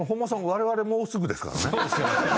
我々もうすぐですからね。